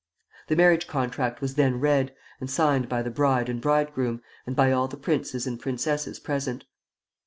The marriage contract was then read, and signed by the bride and bridegroom and by all the princes and princesses present.